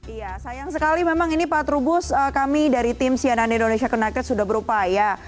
iya sayang sekali memang ini pak trubus kami dari tim sianan indonesia kenakrit sudah berupa ya